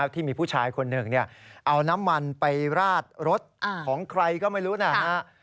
ที่มีผู้ชายคนหนึ่งเอาน้ำมันไปราดรถของใครก็ไม่รู้นะฮะ